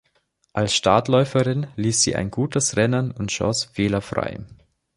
Als Startläuferin lief sie ein gutes Rennen und schoss fehlerfrei.